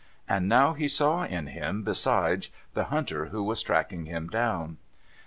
And now he saw in him, besides, the hunter who was tracking him down.